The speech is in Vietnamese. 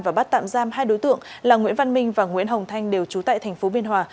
và bắt tạm giam hai đối tượng là nguyễn văn minh và nguyễn hồng thanh đều trú tại tp biên hòa